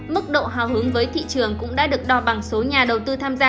mức độ hào hứng với thị trường cũng đã được đo bằng số nhà đầu tư tham gia